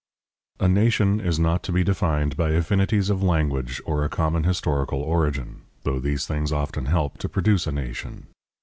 A nation is not to be defined by affinities of language or a common historical origin, though these things often help to produce a nation.